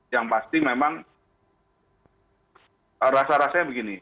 yang pasti memang rasa rasanya begini